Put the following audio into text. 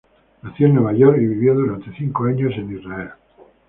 Nació en Nueva York, y vivió durante cinco años en Israel.